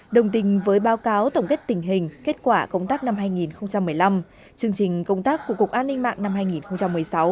đồng tình với báo cáo tổng kết tình hình kết quả công tác năm hai nghìn một mươi năm chương trình công tác của cục an ninh mạng năm hai nghìn một mươi sáu